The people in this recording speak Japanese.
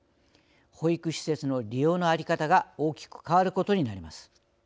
保育施設の利用の在り方が大きく変わることになります。